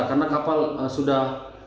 karena kapal sudah